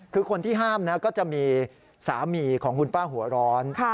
คือคนที่ห้ามนะก็จะมีสามีของคุณป้าหัวร้อน